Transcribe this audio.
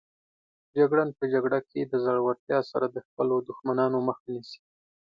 جګړن په جګړه کې د زړورتیا سره د خپلو دښمنانو مخه نیسي.